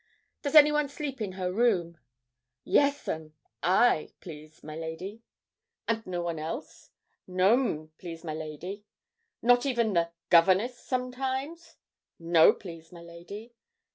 'Does anyone sleep in her room?' 'Yes, 'm, I please, my lady.' 'And no one else?' 'No, 'm please, my lady.' 'Not even the governess, sometimes? 'No, please, my lady.'